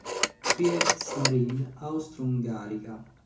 Kriegsmarine austro-ungarica.